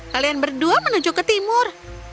kalian berdua menuju ke timur